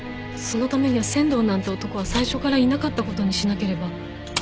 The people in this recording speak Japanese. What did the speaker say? そのためには仙道なんて男は最初からいなかった事にしなければ。